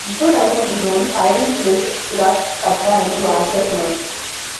Before dying of his wounds, Syrran places Surak's katra into Archer's mind.